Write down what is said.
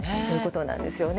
そういうことなんです。